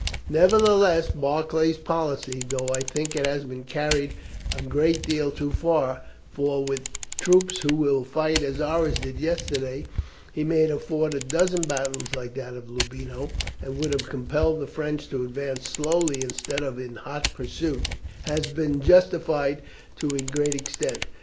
"Nevertheless, Barclay's policy, though I think it has been carried a great deal too far for with troops who will fight as ours did yesterday he might have fought a dozen battles like that of Loubino, and would have compelled the French to advance slowly instead of in hot pursuit has been justified to a great extent.